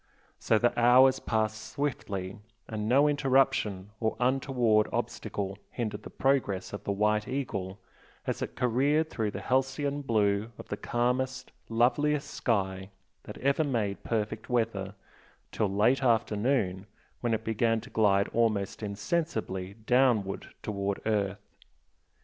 So the hours passed swiftly, and no interruption or untoward obstacle hindered the progress of the "White Eagle" as it careered through the halcyon blue of the calmest, loveliest sky that ever made perfect weather, till late afternoon when it began to glide almost insensibly downward towards earth.